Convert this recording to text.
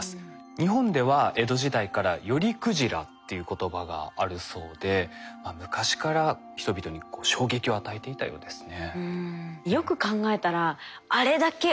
日本では江戸時代から寄鯨っていう言葉があるそうで昔から人々に衝撃を与えていたようですね。